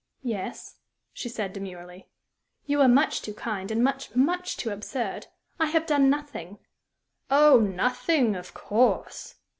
"Yes," she said, demurely. "You were much too kind, and much much too absurd. I have done nothing." "Oh, nothing, of course."